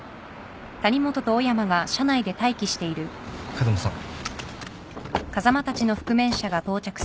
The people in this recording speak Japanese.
風間さん。